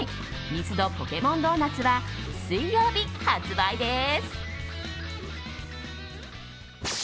ミスドポケモンドーナツは水曜日発売です。